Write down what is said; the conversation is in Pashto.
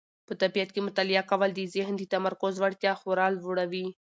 په طبیعت کې مطالعه کول د ذهن د تمرکز وړتیا خورا لوړوي.